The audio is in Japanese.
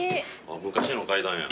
昔の階段や。